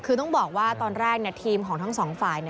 คือต้องบอกว่าตอนแรกทีมของทั้งสองฝ่าย